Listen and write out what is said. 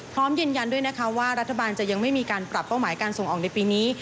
พร้อมยืนยันด้วยนะคะว่ารัฐบาลจะยังไม่มีการปรับเป้าหมายการส่งออกในปีนี้